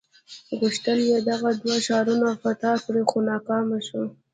غوښتل یې دغه دوه ښارونه فتح کړي خو ناکام شو.